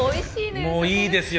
そこがもういいですよ